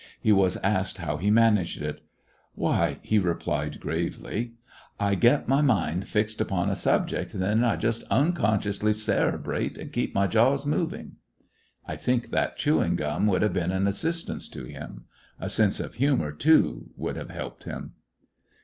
He was asked how he managed it. "Why," he replied gravely, "I get my mind fixed upon a subject, and then I just un consciously cerebrate and keep my jaws mov ing." I think that chewing gum would have been an assistance to him. A sense of humor, too, would have helped him.